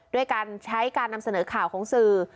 ด้วยการใช้การนำเสนอข่าวของสื่อ